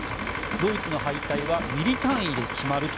ドイツの敗退はミリ単位で決まると。